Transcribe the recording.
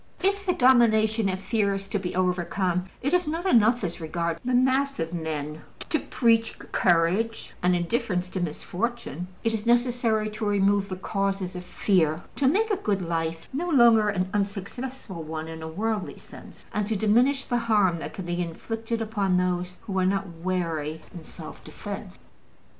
If the domination of fear is to be overcome, it is not enough, as regards the mass of men, to preach courage and indifference to misfortune: it is necessary to remove the causes of fear, to make a good life no longer an unsuccessful one in a worldly sense, and to diminish the harm that can be inflicted upon those who are not wary in self defense.